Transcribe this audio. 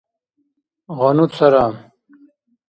гъану цара